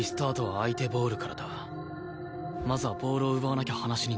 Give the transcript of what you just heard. まずはボールを奪わなきゃ話になんねえ。